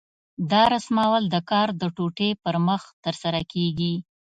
دا رسمول د کار د ټوټې پر مخ ترسره کېږي.